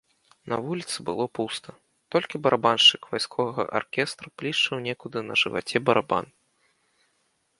На вуліцы было пуста, толькі барабаншчык вайсковага аркестра плішчыў некуды на жываце барабан.